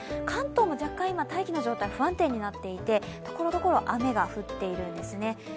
関東も若干今、大気の状態が不安定になっていてところどころ、雨が降っているんですね。